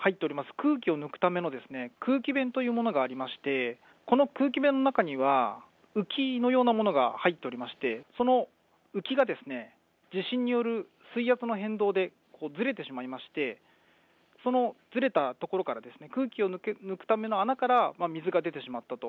空気を抜くための空気弁というものがありまして、この空気弁の中には、浮きのようなものが入っておりまして、その浮きが、地震による水圧の変動でずれてしまいまして、そのずれた所から、空気を抜くための穴から水が出てしまったと。